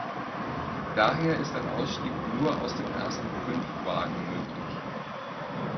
Daher ist ein Ausstieg nur aus den ersten fünf Wagen möglich.